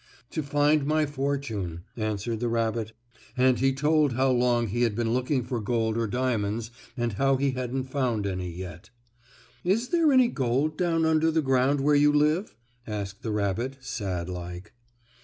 "To find my fortune," answered the rabbit, and he told how long he had been looking for gold or diamonds and how he hadn't found any yet. "Is there any gold down under the ground where you live?" asked the rabbit, sad like.